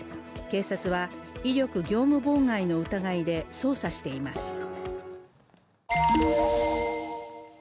警察は威力業務妨害の疑いで捜査しています。